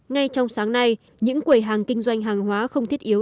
ngay trong sáng nay những quầy hàng kinh doanh hàng hóa không thiết yếu